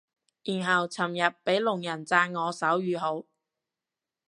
然後尋日俾聾人讚我手語好